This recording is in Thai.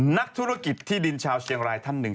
นักธุรกิจที่ดินชาวเชียงรายท่านหนึ่ง